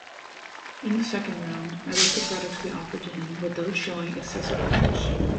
In the second round, I let the products be offered to him without showing excessive interest.